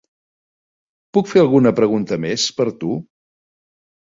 Puc fer alguna pregunta més per tu?